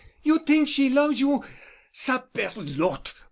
You t'ink she loves you. Saperlotte!